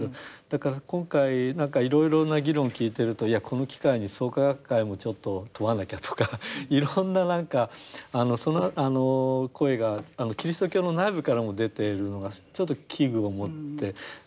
だから今回何かいろいろな議論を聞いてるといやこの機会に創価学会もちょっと問わなきゃとかいろんな何か声がキリスト教の内部からも出ているのがちょっと危惧を持ってるところがございます。